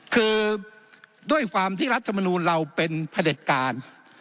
คือด้วยความที่รัฐมนูลเราเป็นพระเด็จการ